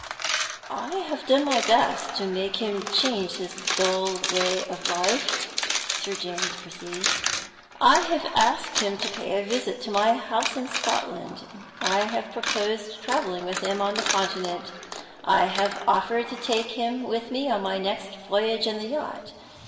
"I have done my best to make him change his dull way of life," Sir James proceeds. "I have asked him to pay a visit to my house in Scotland; I have proposed traveling with him on the Continent; I have offered to take him with me on my next voyage in the yacht.